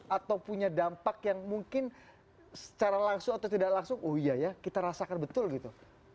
atau punya dampak yang mungkin secara langsung atau tidak langsung oh iya ya kita rasakan betul gitu